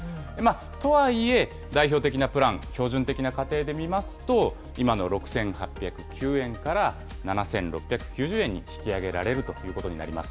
とはいえ、代表的なプラン、標準的な家庭で見ますと、今の６８０９円から、７６９０円に引き上げられるということになります。